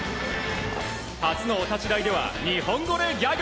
初のお立ち台では日本語でギャグ。